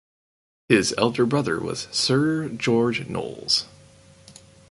His elder brother was Sir George Knowles.